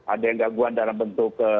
ada yang gangguan dalam bentuk